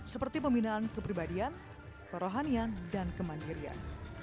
seperti pembinaan kepribadian kerohanian dan kemandirian